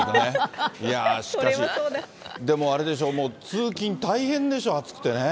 しかし、でもあれでしょう、通勤大変でしょ、暑くてね。